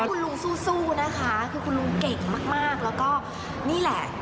คุณลุงสู้นะคะคือคุณลุงเก่งมากแล้วก็นี่แหละ